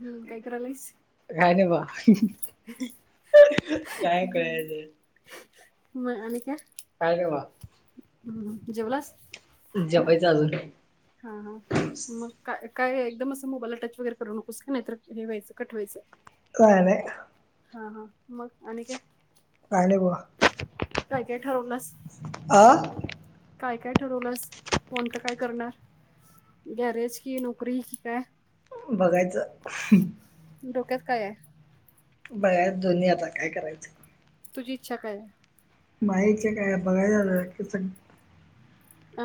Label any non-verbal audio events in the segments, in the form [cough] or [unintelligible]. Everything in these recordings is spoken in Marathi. हम्म काय करायलायस काय नाही बा काय कळायचं म आणि काय काय करवा हम जेवलास जेवायचं अजून हा हा मग काय काय एकदम असं मोबाईला टच वगैरे करू नकोस का नाहीतर हे व्हायचं कट व्हायचं काय नाही हा हा मग आणि काय काय नाही बघा काय काय ठरवलास आ काय काय ठरवलंस कोणत काय करणार गॅरेज कि नोकरी की काय बघायचं डोक्यात काय हाय बघाच दोन्ही आता काय करायचं तुझी इच्छा काय आहे माहीच्या काय बघाय झालं कि स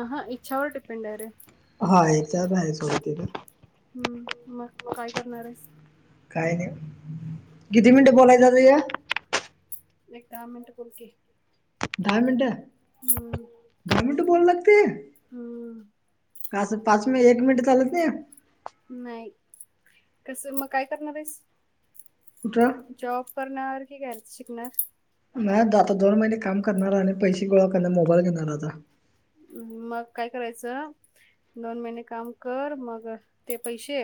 अ हा इच्छावर डिपेंड आहे रे हा याचावर नाही सोड केल हम्म मग काय करणार आहेस? काय नाही किती मिनिटे बोलायचं आता ह्य? एक- दहा मिनट बोल की दहा मिनिटं हम्म -दहा मिनटं बोलाय लागतय? हम्म का असं पाच -एक मिनिटं चालत नाही? नाही कस मग काय करणार आहेस कुठं जॉब? जाॅब करणार की गॅरेज शिकणार? नाही आता दोन महिने काम करणार आणि पैसे गोळा करणार मोबाईल घेणाराय आता मग काय करायच दोन महिने काम कर मग ते पैसे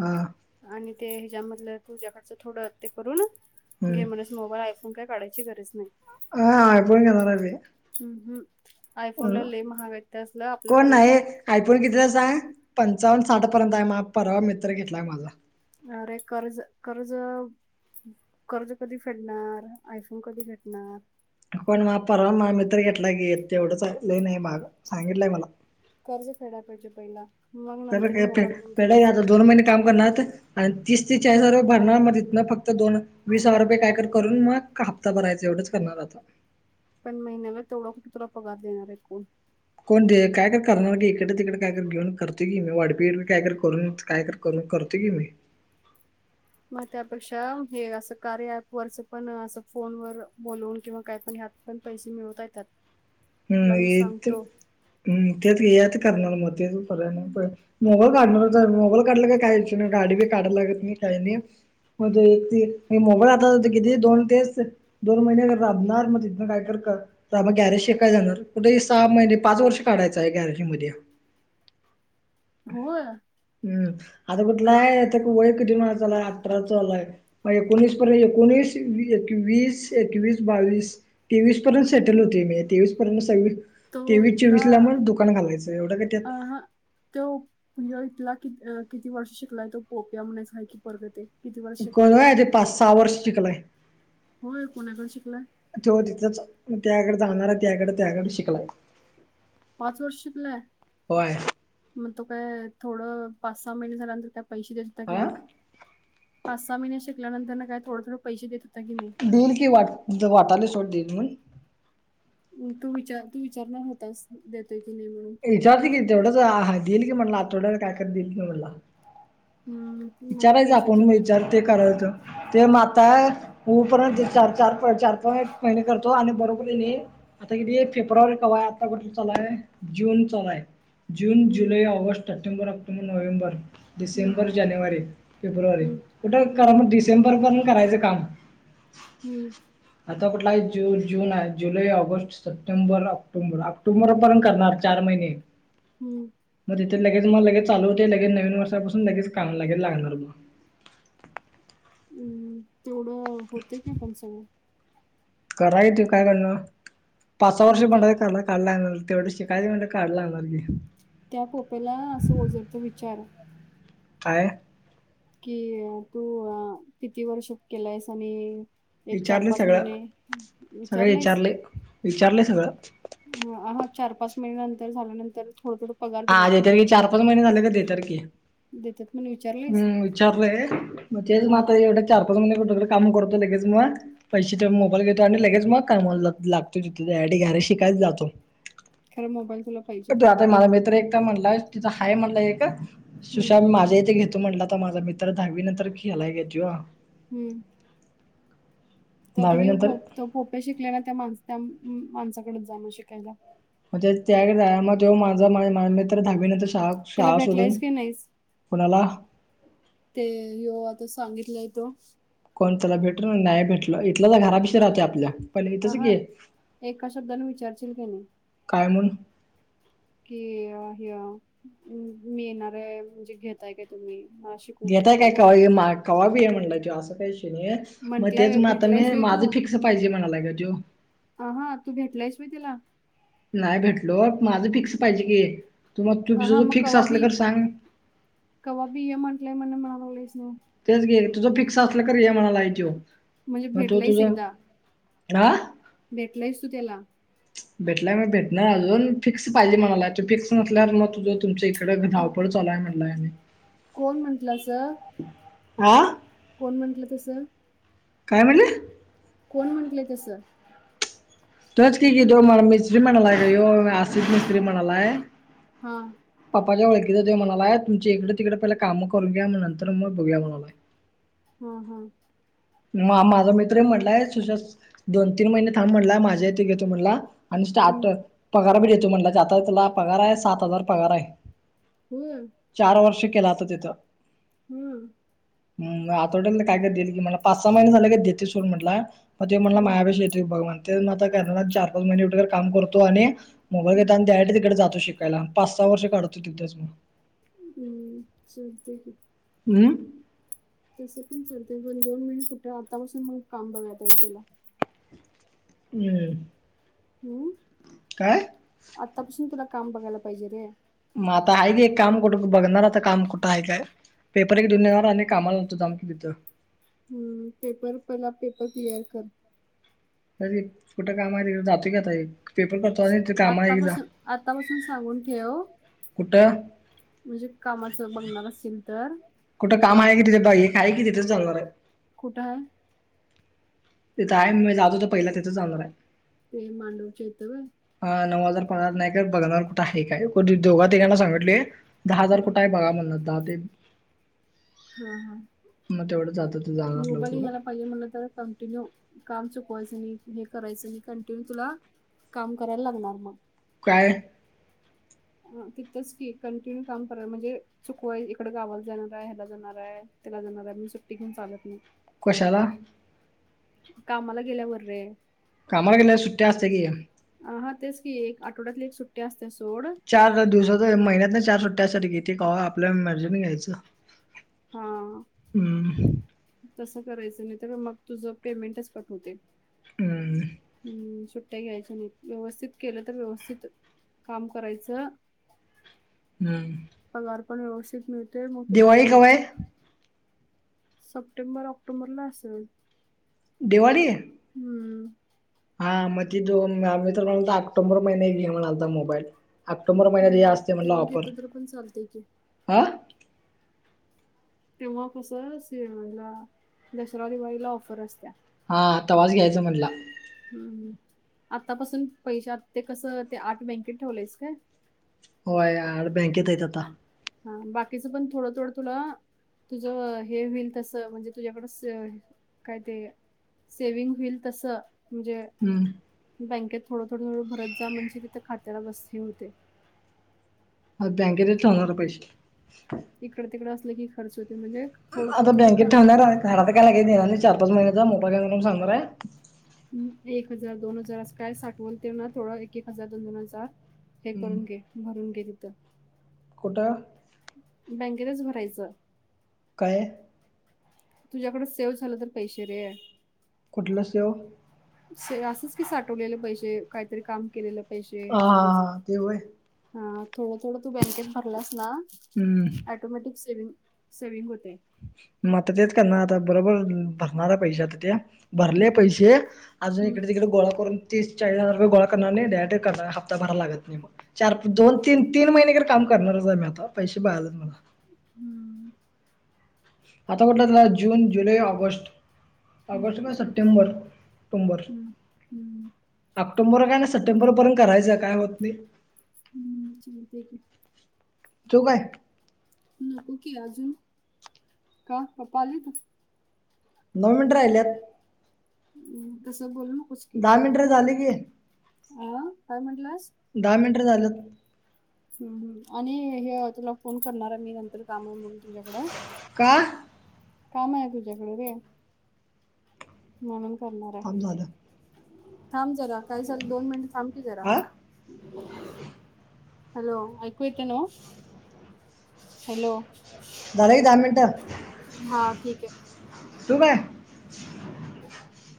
हा ते ह्याच्यामधलं तुझ्याकडचं थोडं ते करून हम्म घे म्हणस मोबाईल आयफोन काय काढायची गरज नाही हा आयफोन घेणाराय मी हम्म हम्म अ आयफोनला लय महाग आहेत त्यासलं आपलं कोण परवडत नाही आयफोन कितीला हाय सांग? पंचावन्न -साठ पर्यंत आहे मा- परावा मित्र घेतलाय माझा अरे कर्ज -कर्ज [inaudible] कर्ज कधी फेडणार आयफोन कधी भेटणार पण म परवा माया मित्र घेतलाय कि तेवढंचाय लय नाही महाग सांगितलाय मला कर्ज फेडायला पाहिजे पहिला मग कर्ज नंतर काय फेड- मोबाईल घेऊन फेडाय काय फिरायचं आता दोन महिने काम करणार आणि तीस ते चाळीस हजार भरणार म तितन फक्त फक्त दोन -वीस हजार रुपये काय तर करून मग हप्ता भरायचा एवढंच करणार आता पण महिन्याला तेवढा कुठे तुला पगार देणार आहे कोण? कोण दे-काय -काय तर करणार की हिकडं -तिकडं काय तर घेऊन करतो की मी वाढपी-बिडपी काय करून काय तर करून करतो की मी [inaudible] मग त्यापेक्षा हे अस कार्य ऍप वरच पण अस फोन वर बोलून किंवा काय पण त पण पैसे मिळता येत्यात. हम्म येत- हम्म -तेच कि यात करणार म ते तर करूया मग पहिला - मोबाईल काढणारच आहे मी मोबाईल काढल की काय विषय नाही गाडी बी काढाय लागत नाही काही नाही मग- एक- ते मोबाईल आता किती दोन तेच दोन महिने राबणार मग तिथ काय करत ग -ह - त्यामुळ गॅरेज शिकायला जाणार कुठेही सहा महिने पाच वर्ष काढायचं आहे गॅरेज मध्ये. होय हम्म आता का कुठलाय आता वळिक दोन हजार अठरा चालू हाय मग एकोणीस तो एकोणीस- एकवीस, एकवीस, बावीस... तेवीस पर्यंत सेटल होतोय, मी तेवीस पर्यंत सव्वी तो तेवीस, इथला चोवीस ला मग दुकान घालायचं एवढं काय त्यात. भैय्या इथला किती- किती वर्ष शिकलाय तो पोप्या म्हणेच आहे की पोरग ते. किती वर्ष कोण शिकलाय तो होय, [inaudible] सहा वर्ष शिकलाय. होय कोणाकडे शिकलाय त्यो तिथच त्याकडे जाणार आहे, त्याकडे- त्याकडे शिकलाय. पाच वर्ष शिकलाय, होय. मग तो काय थोडं पाच, सहा महिने झाल्यानंतर त्या पैसे देतात की हां? नाही पाच, सहा महिने शिकल्यानंतर ना काय थोड- थोड पैसे देत होता की नाही देईल की वाट-वाटालय सोड देईल म्हणू तू विचार, - तू विचारणार होतास देत विचारतो की तेवढंच हा -दिईल की म्हणला, आठवड्याला काय- काय दिईल की म्हणला. हम्म मला विचारायच आपण पैशाची म ग विचार ते करायचं ते माता उपर्यंत चार -चार प चार-चार, आठ महिने करतो आणि बरोबर येनी आता किती फेब्रुवारी कवाय आता कुठेल चालूया जून चालोय जून, हम्म जुलै, ऑगस्ट, सटेंबर, ऑक्टोबर, नोव्हेंबर. हम्म डिसेंबर, जानेवारी, फेब्रुवारी हम्म कुठ हम्म कार डसेंबर प... करायचं काम... हम्म.. आता कुठला आहे जून, जून आहे जुलै, ऑगस्ट, सप्टेंबर, ऑक्टोबर, ऑक्टोबर पन करणार चार महि... [inaudible] हम्म लगेच म लगेच चालू होते लगे नवीनर्षापासून लगेच काम. लगेन लागणार बा. हम्म. तेवढं होत की पण सगळं. करा येतू काय करण पाच, सहा मग वर्ष त्या पडाई कराला काढला... तेवढं शिकाय म्हणे काढला ना सारखी. त्या पोप्याला असं ओझरतो विचार काय? कि अं तू अं किती वर्ष केलायस आणि... एक चार विचारले पाच सगळं, महिने सगळं विचारलायस विचारले, विचारले सगळं. ह हा चार, पाच महिन्या नंतर झाल्यानंतर थोडं थोडं... पगार हा दिलात की नाही देेतारखी तो चार, पाच महिने झाले क देेतारखी, देतात म्हणून विचारलायस हम्. विचारलय तेच हा मंग हा आता एवढे चार, पाच महिने. काम करतो लगेच मग पैसे मोबाईल घेतो आणि लगेच मग का लागतो तिथेडी घ... शिकायच जातो. खरं मोबाईल तुला पाहिजे. म्हणल तिथं आहेय म्हणल एक हम्म सुशांत माझ्या इथे घेतो म्हणला. आता माझा मित्र दहावीनंतर खेलाय घेत. हम्म.. दहावी ततयुहो नंतर तो पोप्या शिकल्या नंतर त्या माण त्या माणसाकडच जाण शिकायला. मग त्या झा मग तो माझं मा-मा तर दाहावी नंतर शि... त्याला भेटलायस की नाहीस, कुणाला ते येो आता सांगितलंय. तो... कोण त्याला भेटल नाही भेटलं इथलं तर घरापशी राहते आपल्या. पण अ इथंच हा, घे एका शब्दान विचारशील की नाही. काय म्हणून कि -हि मी येणारे म्हणजे घेताय काय तुम्ही? मला शिकवू घताय काय शकताय खवा महाग खवाबी आहे म्हणलाय त असं. काही विषय मग तेच म्हंटलाय म आता भेटलायस मी माझं फिक्स पाहिजे म्हणालाय ग त्यो. ह, हा. तू भेटलायस व्हय तिला? नाही भेटलो, माझं फिक्स पाहिजे कि, तू मग तु अ हा ज मग फिक्स कवा बी असल तर सांग- कवा बी य म्हटलंय म्हणे म तेच घ तुझं फिक्स असलं तर, ते म्हणालाय त्यो. म्हणजे भेटलायच एकदा? आ..? भेटलायस तू त्याला? भेटलाय म भेटणार अजून फिक्स पाहिजे म्हणाला तू फिक्स नसल्यावर मग तुझ- तुमच्या इकडं मग धावपळ चालाय म्हणलाय आणी- कोण म्हटलं अस- आ..? कोण म्हंटलं तस? काय म्हणले? कोण म्हंटलं तस? तच क क दो म मच [unintelligible] स्त्री म्हणाला आहे का आशिित म स्त्रीम [unintelligible] णा आहे हा प पप्पांच्या ओळखीच तो म्हणालाय, तुमची इकडे तिकडे पहि काम करून घ्या, नंतर मग बघूया म्हणालाय. हम. हम. म माझा मित्र म्हटलाय सुशास दोन तीन महिने थांब म्हटलाय, माझ्या इथे घेतो म्हणला. आणि हम्म स्टार्टर पगार भी देतो म्हणटलाय, आता तुला पगार आहे सात हजार पगार आहे. होय चार वर्ष केलं आता तिथं. हम्म! हम आतावड्याल काय कर देईल की मला पाच सहा महिने झाले का देते सोड म्हटला. मग ते म्हणला हम्म माझ्यापाशी येतय बघ ते आता करणार चार पाच महिने उर काम करतो आणि मोबाईल घेतता आणि त्या तिकडे जातो शिकायला, पाच सहा वर्ष काढतो तिथेच. हम् चालतंय की. हम. तसं पण चालत पण दोन महिने कुठे, आतापासून मग काम बघाय आहे तुला? हम्म. हम्म काय आतापासून तुला काम बघायला पाहिजे, रे. मता आहे की एक काम कुठ बघणार काम कुठं आहे काय? पेपर एक दुनिवर अनेक कामाला लातम कि तिथं. हम्म. पेपर पहिला पेपर क्लिअर कर. कुठं काम आहे, तिकडं जातो की आता. पेपर करतो आणि ते काम आहे एकदा आतापासून, आतापासून सांगून ठेव कुठं म्हणजे कामाच बघणार असेल तर, कुठं काम आहे कि, तिथे बाई का आहे कि तिथेच जाणार आहे. कुठ आहे? तिथं आहे म जातो तर पहिला तिथंच जाणार आहे. ते मांडव च्या इथं व्हय. हा नऊ हजार पहणार नाही, बगणार कुठे आहे काय दोघा-तिघांना सांगितलय. दहा हजार हा कुठं आहे बघा? म्हणून दहा ते हा, हा, ग तेवढं जात [unintelligible] पाहिजे म्हटलं तर कंटिन्यू काम चु चूकवायच नाही, हे करायचं आणि कंटिन्यू तुला काम करायला लागणार मग. काय? तिथंच की, कंटिन्यू काम करा म्हणजे चुकू आहे इकड गावाला जाणार आहे, ह्याला जाणार आहे, त्याला जाणार हाय, म्हणून सुट्टी घेऊन चालत नाही. कशाला? कामाला गेल्यावरर रे? कामाला केेल्या सुट्ट्या असते की, हच की एक आठवड्यात एक सुट्ट्या असते ना! चार दिवसाच महिन्यात ना चार सुट्ट्यासाठीेते का आपल्या मर्जीन घ्यायचं. हा हम्म तस करायचं नाही तर मग तुझं पेमेंटच कट होतेय. हम्म सुट्ट्या घ्यायच नाही व्यवस्थित केलं तर व्यवस्थित काम करायचं. हम्म पगार पण व्यवस्थित मिळतेय मग तुला दिवाळी घ्यायला कवा पण आहे सप्टेंबर ऑक्टोबरला असेल. दिवाळी. हम्म हा मग ती दोन मित्र म्हणाला ऑक्टोबर महिने घेऊ म्हणालता मोबाईल. ऑक्टोबर महिन्यात हे हम्म असते म्हणला तेव्हा ऑफर घेतलं तर पण चालतय की ह तेव्हा कस म्हणलं दसरा दिवाळीला ऑफर असत्या. हा तवाच घ्यायचा म्हटला. हम्म. आतापासून पैश ते कसं ते आठ बँकेत ठेवलंयस काय. होय [unintelligible] बँकेत आहेत आता. हा बाकीचं पण थोडं थोडं तुला. तुझं हे होईल तसं म्हणजे तुझ्याकडं स काय ते? सेविंग होईल तसं, म्हणजे हम्म बँकेत थोडं थोडं थोडं भरत जा म्हणजे तिथं खात्याला बस्ती होते. मग बँकेतच ठेवणार आहे पैसे. इकडं तिकडं असलं की खर्च होत आता बँकेत ठेवणार काय का देणार चार पाच महिन्याचा मोठा मोबाईल घेणार आहे म्हणून सांगणार आहे. एक हजार दोन हजार असं काय साठवल ते ना थोडं एक एक हजार दोन दोन हजार हे हम्म. करून घे, भरून घे तिथं. कुठं? बँकेतच भरायचं. काय? तुझ्याकडं सेव्ह झालं तर पैसे रे. कुठलं सेव? असंच की साठवलेलं पैसेे काहीतरी काम केलेलं ह हा ते होय. हा थोडं थोडं तू बँकेत भरलास ना हम्म ऑटोमॅटिक सेविंग, सेविंग होते मग आता तेच करणार आता बरोबर भरणारा पैशे आता ते. भरले हम्म पैसे, अजून हम्म इकडे तिकडे गोळा करून तीस चाळीस हजार रुपये गोळा करणार नाही डायरेट कर हप्ता भराय लागत नाही मग चार दोन तीन ती महिने काम करणारच आहे मी आता पैसे भराय जाणार. हम्म आता कुठलं चालूय जून, जुलै, ऑगस्ट ऑगस्ट, हम्म सप्टेंबर, ऑक्टोबर हम्म हम्म ऑक्टोबर काय नाय सप्टेंबर पर्यंत करायचं काय होत नाही. हम्म चालतंय की. तो काय नको की अजून, का पापा आलीती? नऊ मिनिटे राहिल्यात. असं बोलू नकोस की, दहा मिनिटं झाली की आ काय म्हटलास? [unintelligible] झालं हम् हम् आणि हे तुला फोन करणार आहे मी नंतर काम आहे म्हणून तुझ्याकडं का? काम आहे तुझ्याकडे रे म्हणून, करणार थांब झालं आहे, थांब जरा काही झालं? दोन मिनटं थांबकी जरा हा हॅलो ऐकू येतं नवं, हॅलो झालं की दहा मिनिटं हा ठीक आहे. ठेऊ काय? [inaudible]